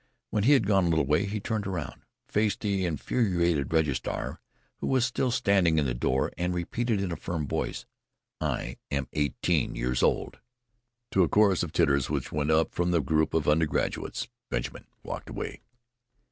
When he had gone a little way he turned around, faced the infuriated registrar, who was still standing in the door way, and repeated in a firm voice: "I am eighteen years old." To a chorus of titters which went up from the group of undergraduates, Benjamin walked away.